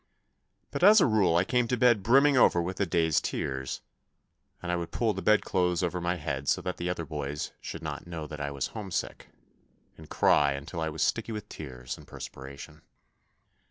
But as a rule I came to bed brimming over with the day's tears, and I would pull the bed clothes over my head so that the other boys should not know that I was homesick, and cry until I was sticky with tears and perspiration.